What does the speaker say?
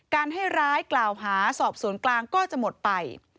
การให้ร้ายกล่าวหาสอบสวนกลางก็จะหมดไป